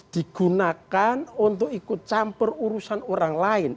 digunakan untuk ikut campur urusan orang lain